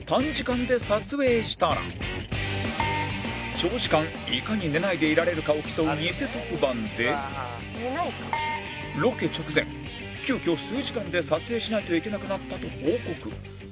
長時間いかに寝ないでいられるかを競うニセ特番でロケ直前急きょ数時間で撮影しないといけなくなったと報告